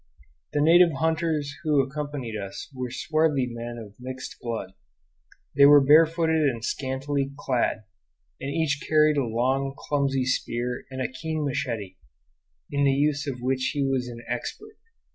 The native hunters who accompanied us were swarthy men of mixed blood. They were barefooted and scantily clad, and each carried a long, clumsy spear and a keen machete, in the use of which he was an expert.